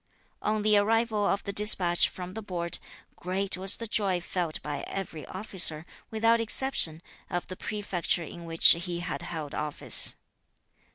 On the arrival of the despatch from the Board, great was the joy felt by every officer, without exception, of the prefecture in which he had held office.